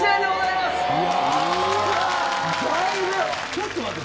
ちょっと待って。